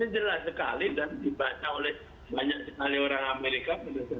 jelas sekali dan dibaca oleh banyak sekali orang amerika